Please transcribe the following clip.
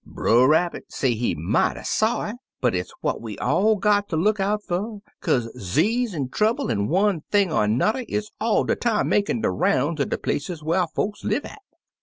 Brer Rabbit say he mighty sorry, but it's what we all got ter look out fer, kaze 'zease an' trouble, an' one thing an' an'er, is all de time makin' de roun's er de places whar folks live at.